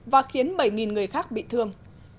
và khiến bảy người khác bị thương